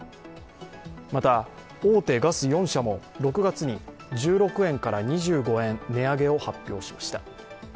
また、大手ガス４社も６月に１６円から２５円値上げを発表しました。